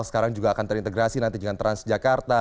sekarang juga akan terintegrasi nanti dengan transjakarta